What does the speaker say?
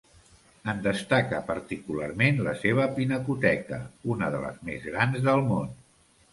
En destaca particularment la seva pinacoteca, una de les més grans del món.